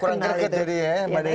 kurang greget jadi ya mbak desy